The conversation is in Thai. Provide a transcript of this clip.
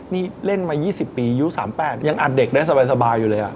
นี่เล่นมา๒๐ปีอายุ๓๘ยังอัดเด็กได้สบายอยู่เลย